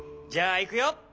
じゃあいくよ！